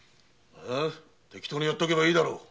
適当にやっとけばいいだろう！